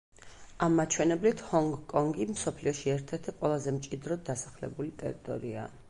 ამ მაჩვენებლით ჰონგ-კონგი მსოფლიოში ერთ-ერთი ყველაზე მჭიდროდ დასახლებული ტერიტორიაა.